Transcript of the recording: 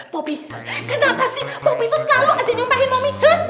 popi kenapa sih popi tuh selalu aja nyumpahin mami